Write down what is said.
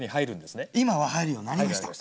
今は入るようになりました。